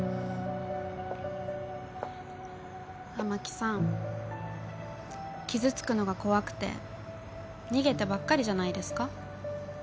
雨樹さん傷つくのが怖くて逃げてばっかりじゃないですか？